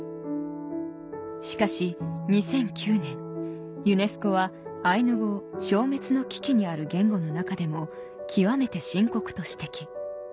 しかし２００９年ユネスコはアイヌ語を消滅の危機にある言語の中でも「極めて深刻」と指摘